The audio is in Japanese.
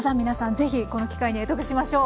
ぜひこの機会に会得しましょう。